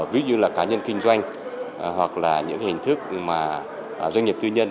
ví dụ như là cá nhân kinh doanh hoặc là những hình thức mà doanh nghiệp tư nhân